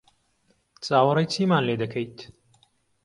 چاوەڕێی چیمان لێ دەکەیت؟